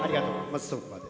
まずそこまで。